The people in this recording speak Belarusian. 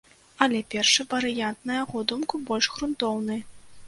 Але першы варыянт, на яго думку, больш грунтоўны.